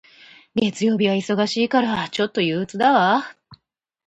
月曜日は忙しいから、ちょっと憂鬱だわ。